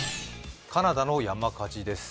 カナダの山火事です。